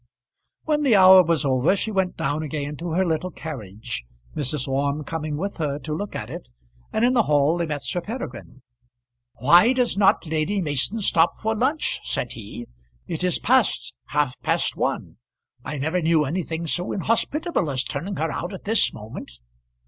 When the hour was over she went down again to her little carriage, Mrs. Orme coming with her to look at it, and in the hall they met Sir Peregrine. "Why does not Lady Mason stop for lunch?" said he. "It is past half past one. I never knew anything so inhospitable as turning her out at this moment."